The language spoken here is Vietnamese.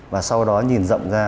và sau đó nhìn rộng ra